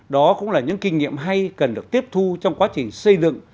đó cũng là những kinh nghiệm hay cần được tiếp thu trong quá trình xây dựng